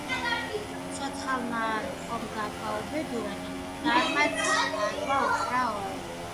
ცოცხალმა ხომ გაგვაუბედურა და მკვდარმაც აგვაოხრაო!